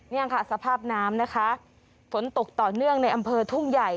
นี่ค่ะสภาพน้ำนะคะฝนตกต่อเนื่องในอำเภอทุ่งใหญ่